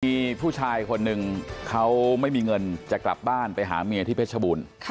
มีผู้ชายคนหนึ่งเขาไม่มีเงินจะกลับบ้านไปหาเมียที่เพชรบูรณ์